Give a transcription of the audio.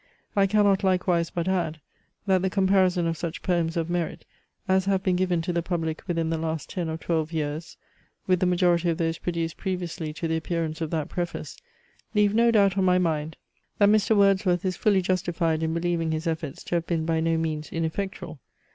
I cannot likewise but add, that the comparison of such poems of merit, as have been given to the public within the last ten or twelve years, with the majority of those produced previously to the appearance of that preface, leave no doubt on my mind, that Mr. Wordsworth is fully justified in believing his efforts to have been by no means ineffectual.